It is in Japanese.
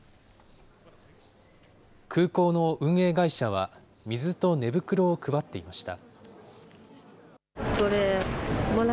空港の運営会社は、水と寝袋を配っていました。